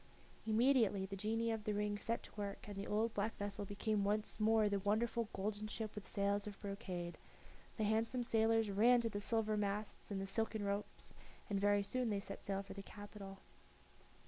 Immediately the genii of the ring set to work, and the old black vessel became once more the wonderful golden ship with sails of brocade; the handsome sailors ran to the silver masts and the silken ropes, and very soon they set sail for the capital.